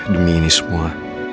demi ini semua